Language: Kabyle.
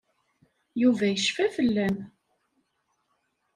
Yuba yecfa fell-am.